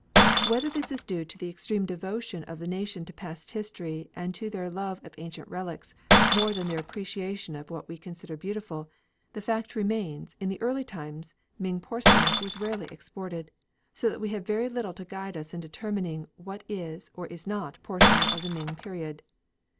Whether this is due to the extreme devotion of the nation to past history and to their love of ancient relics more than their appreciation of what we consider beautiful, the fact remains that, in the early times, Ming porcelain was rarely exported, so that we have very little to guide us in determining what is or is not porcelain of the Ming period.